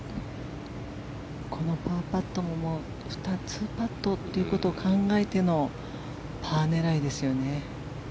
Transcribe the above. このパーパットも２つパットということを考えてのパー狙いですよね。